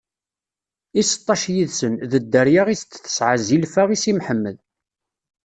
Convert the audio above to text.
I seṭṭac yid-sen, d dderya i s-d-tesɛa Zilfa i Si Mḥemmed.